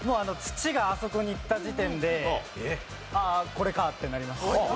土があそこに行った時点で「ああこれか」ってなりましたね。